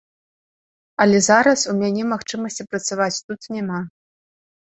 Але зараз у мяне магчымасці працаваць тут няма.